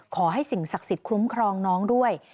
ขอให้สิ่งศักดิ์สิทธิ์คุ้มครองน้องด้วย